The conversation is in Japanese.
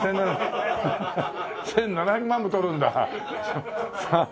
１７００万も取るんだ。